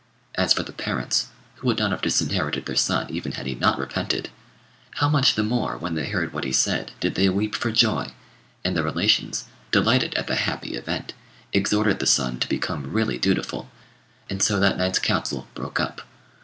As for the parents, who would not have disinherited their son even had he not repented, how much the more when they heard what he said did they weep for joy; and the relations, delighted at the happy event, exhorted the son to become really dutiful; and so that night's council broke up.